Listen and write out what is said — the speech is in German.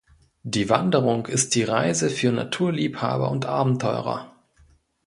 Die Wanderung ist die Reise für Naturliebhaber und Abenteurer.